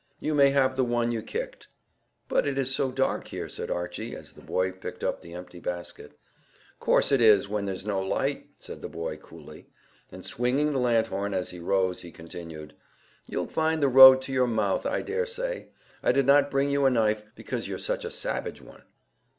You may have the one you kicked." "But it is so dark here," said Archy, as the boy picked up the empty basket. "Course it is when there's no light," said the boy coolly; and swinging the lanthorn as he rose, he continued, "You'll find the road to your mouth, I daresay. I did not bring you a knife, because you're such a savage one."